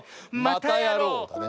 またやろう！